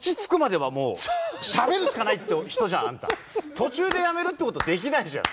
途中でやめるってことはできないじゃん。